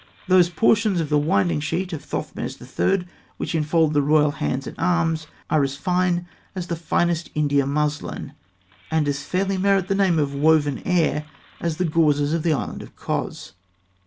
Those portions of the winding sheet of Thothmes III. which enfolded the royal hands and arms, are as fine as the finest India muslin, and as fairly merit the name of "woven air" as the gauzes of the island of Cos.